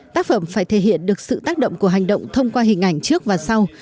tác phẩm phải thể hiện được sự tác động của hành động thông qua hình ảnh trước và sau